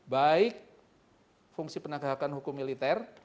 baik fungsi penegakan hukum militer